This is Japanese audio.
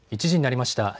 １時になりました。